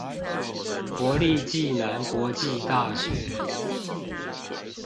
國立暨南國際大學